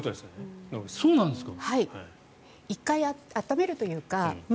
そうなんですか？